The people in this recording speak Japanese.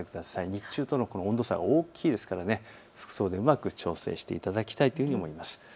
日中との温度差大きいですから服装でうまく調整していただきたいというふうに思います。